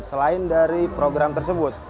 selain dari program tersebut